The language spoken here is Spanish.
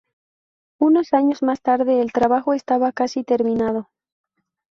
Unos años más tarde, el trabajo estaba casi terminado.